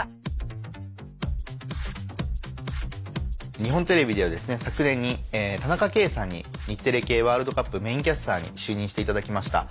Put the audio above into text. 日本テレビでは昨年に田中圭さんに日テレ系ワールドカップメインキャスターに就任していただきました。